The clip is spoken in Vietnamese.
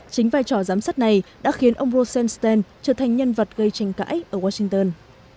chính vai trò giám sát này đã khiến ông rosenstein trở thành nhân vật gây tranh cãi ở washington